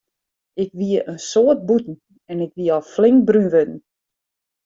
Ik wie in soad bûten en ik wie al flink brún wurden.